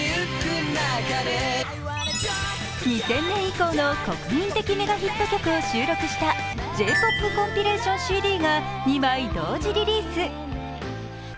２０００年以降の国民的メガヒットを収録したＪ−ＰＯＰコンピレーションＣＤが２枚同時リリース。